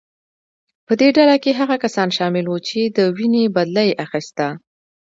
په دې ډله کې هغه کسان شامل وو چې د وینې بدله یې اخیسته.